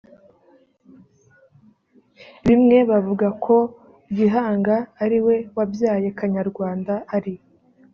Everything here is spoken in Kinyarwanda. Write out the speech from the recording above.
bimwe bavuga ko gihanga ari we wabyaye kanyarwanda ari